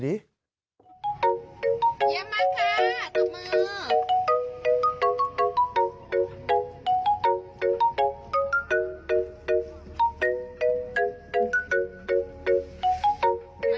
ได้ไหมไปเลยค่ะ